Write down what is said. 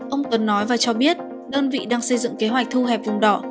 ông tuấn nói và cho biết đơn vị đang xây dựng kế hoạch thu hẹp vùng đỏ